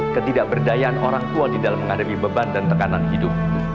ketidakberdayaan orang tua di dalam menghadapi beban dan tekanan hidup